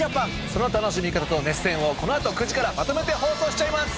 その楽しみ方と熱戦をこのあと９時からまとめて放送しちゃいます！